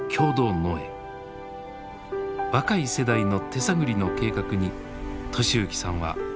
若い世代の手探りの計画に利幸さんは力を貸してきた。